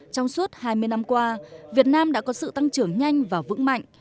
trong suốt hai mươi năm qua việt nam đã có sự tăng trưởng nhanh và vững mạnh